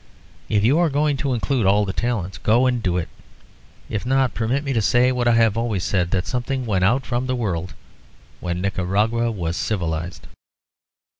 If you are going to include all the talents, go and do it. If not, permit me to say what I have always said, that something went from the world when Nicaragua was civilised."